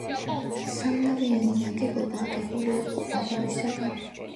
სამნავიანი ნაგებობა აგებული იყო აგურისაგან.